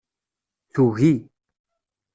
Tugi.